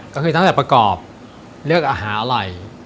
ก็คือตั้งแต่ประกอบเลือกอาหารอร่อย